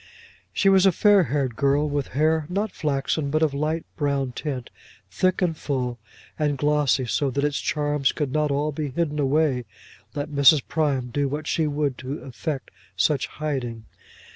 She was a fair haired girl, with hair, not flaxen, but of light brown tint, thick, and full, and glossy, so that its charms could not all be hidden away let Mrs. Prime do what she would to effect such hiding.